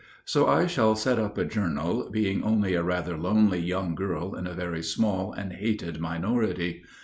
So I shall set up a journal, being only a rather lonely young girl in a very small and hated minority.